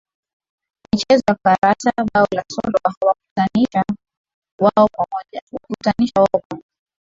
Michezo ya karata Bao la solo huwakutanisha wao pamoja